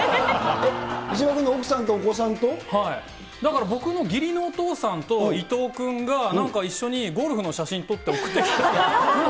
西島さんの奥さんとお子さんはい、だから、僕の義理のお父さんと伊藤君が、なんか一緒にゴルフの写真撮って送ってきて。